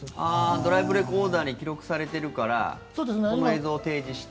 ドライブレコーダーに記録されているからその映像を提示して。